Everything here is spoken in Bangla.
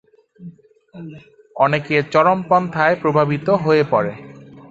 অনেকে চরমপন্থায় প্রভাবিত হয়ে পড়ে।